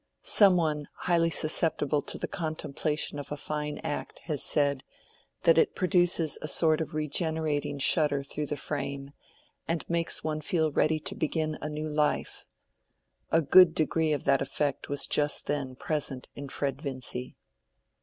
Some one highly susceptible to the contemplation of a fine act has said, that it produces a sort of regenerating shudder through the frame, and makes one feel ready to begin a new life. A good degree of that effect was just then present in Fred Vincy.